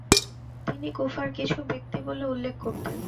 তিনি "কুফার কিছু ব্যক্তি" বলে উল্লেখ করতেন।